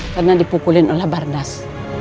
karena dipukulin oleh barnas